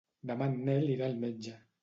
Demà en Nel irà al metge.